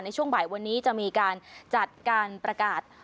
ในช่วงบ่ายวันนี้จะมีการจัดการประกาศ